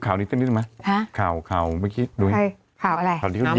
ถ้ามึงไม่ทำได้อย่างไรมึงไม่ทำได้อย่างไร